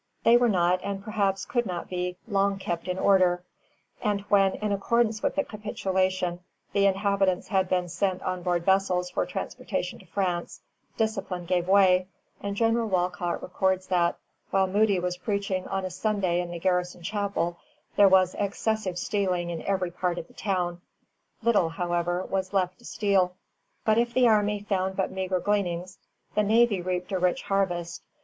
They were not, and perhaps could not be, long kept in order; and when, in accordance with the capitulation, the inhabitants had been sent on board vessels for transportation to France, discipline gave way, and General Wolcott records that, while Moody was preaching on a Sunday in the garrison chapel, there was "excessive stealing in every part of the town." Little, however, was left to steal. But if the army found but meagre gleanings, the navy reaped a rich harvest.